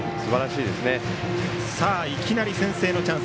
いきなり先制のチャンス。